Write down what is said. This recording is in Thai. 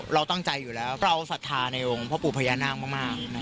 เราตั้งใจอยู่แล้วเราศรัทธาในองค์พ่อปู่พญานาคมาก